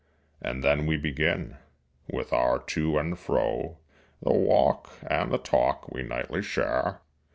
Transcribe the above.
And then we begin, with our to and fro, The walk and the talk we nightly share.